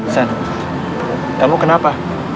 sen kamu kenapa